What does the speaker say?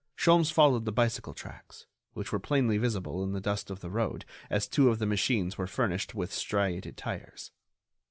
Sholmes followed the bicycle tracks, which were plainly visible in the dust of the road as two of the machines were furnished with striated tires.